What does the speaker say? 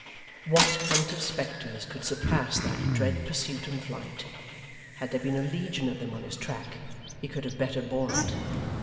What hunt of spectres could surpass that dread pursuit and flight! Had there been a legion of them on his track, he could have better borne it.